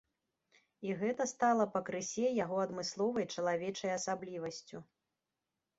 І гэта стала пакрысе яго адмысловай чалавечай асаблівасцю.